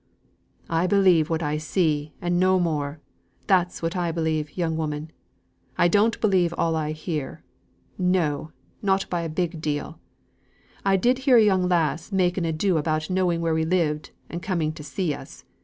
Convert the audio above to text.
"I believe what I see, and no more. That's what I believe, young woman. I don't believe all I hear no! not by a big deal. I did hear a young lass make an ado about knowing where we lived, and coming to see us.